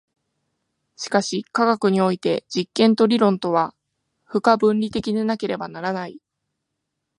しかし科学においては実験と理論とは不可分離的でなければならない。